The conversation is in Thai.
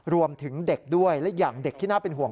รวมถึงเด็กด้วยและอย่างเด็กที่น่าเป็นห่วง